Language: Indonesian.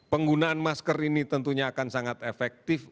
penggunaan masker ini tentunya akan sangat efektif